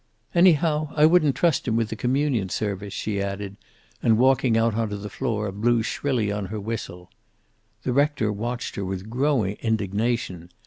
"Anyhow, I wouldn't trust him with the communion service," she added, and walking out onto the floor, blew shrilly on her whistle. The rector watched her with growing indignation.